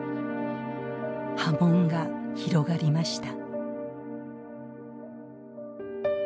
波紋が広がりました。